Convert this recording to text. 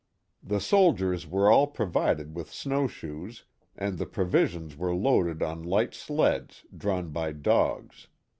The soldiers were all provided with snow shoes and the provisions were loaded on light sleds, drawn by dogs.